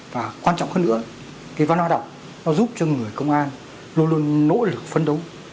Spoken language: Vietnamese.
và quan trọng hơn nữa cái văn hóa đọc nó giúp cho người công an luôn luôn nỗ lực phấn đấu